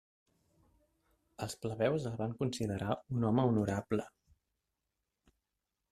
Els plebeus el van considerar un home honorable.